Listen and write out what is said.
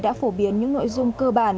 đã phổ biến những nội dung cơ bản